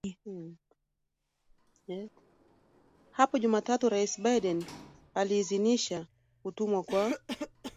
Hapo Jumatatu Rais Biden aliidhinisha kutumwa kwa